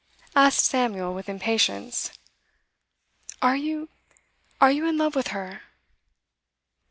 asked Samuel, with impatience. 'Are you are you in love with her?